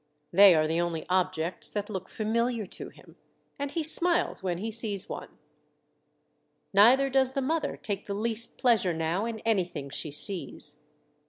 They are the only objects that look familiar to him, and he smiles when he sees one. Neither does the 92 Mo7iday Tales. mother take the least pleasure now in anything she sees.